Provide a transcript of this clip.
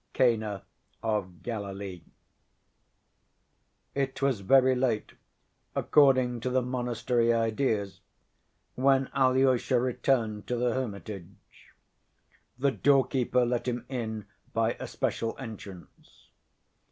Cana Of Galilee It was very late, according to the monastery ideas, when Alyosha returned to the hermitage; the door‐keeper let him in by a special entrance.